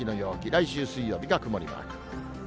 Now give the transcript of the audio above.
来週水曜日が曇りマーク。